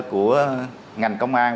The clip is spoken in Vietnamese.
của ngành công an